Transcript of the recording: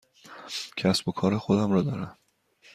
کسب و کار خودم را دارم.